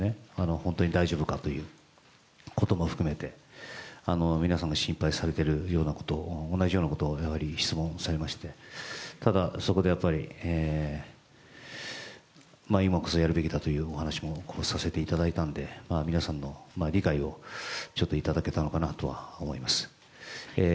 本当に大丈夫かということも含めて、皆さんも心配されているようなこと、同じようなことを質問されましてただ、そこで今こそやるべきだというお話もさせていただきましたので、皆さんの理解をいただけたのかなとは思います